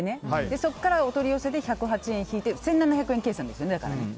そこからお取り寄せで１０８円を引いて１７００円計算ですよね。